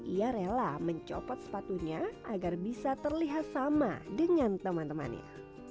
ia rela mencopot sepatunya agar bisa terlihat sama dengan teman temannya